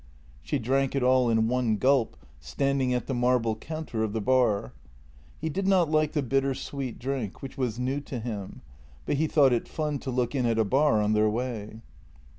She drank it all in one gulp, standing at the marble counter of the bar. He did not like the bitter sweet drink, which was new to him, but he thought it fun to look in at a bar on their way.